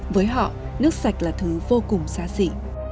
với họ nước sạch là thứ vô cùng xa xỉ